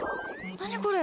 何これ？